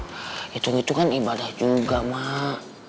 hitung hitungan ibadah juga mak